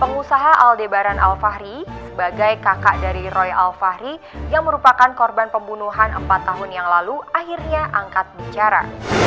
pengusaha al debaran alfahri sebagai kakak dari roy alfahri yang merupakan korban pembunuhan empat tahun yang lalu akhirnya angkat bicara